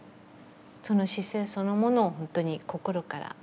その姿勢そのものを本当に心から。